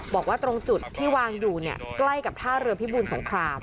บอกว่าตรงจุดที่วางอยู่ใกล้กับท่าเรือพิบูลสงคราม